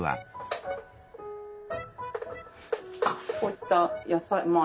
こういった野菜まあ